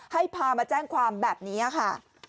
ให้พามาแจ้งความแบบนี้ค่ะ